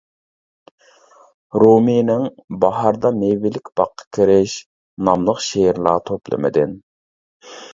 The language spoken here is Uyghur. رۇمىنىڭ «باھاردا مېۋىلىك باغقا كىرىش» ناملىق شېئىرلار توپلىمىدىن.